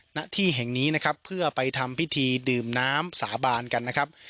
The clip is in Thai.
ณที่แห่งนี้นะครับเพื่อไปทำพิธีดื่มน้ำสาบานกันนะครับ